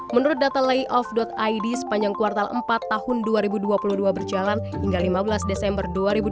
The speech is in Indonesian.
menurut data layoff id sepanjang kuartal empat tahun dua ribu dua puluh dua berjalan hingga lima belas desember dua ribu dua puluh